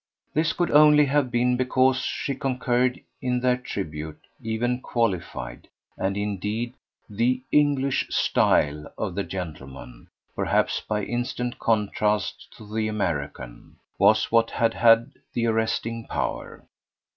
This could only have been because she concurred in their tribute, even qualified; and indeed "the English style" of the gentleman perhaps by instant contrast to the American was what had had the arresting power.